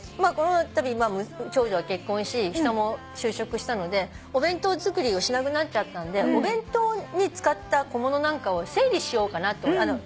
このたび長女は結婚し下も就職したのでお弁当作りをしなくなっちゃったんでお弁当に使った小物なんかを整理しようかなと。